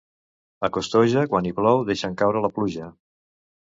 A Costoja, quan hi plou, deixen caure la pluja.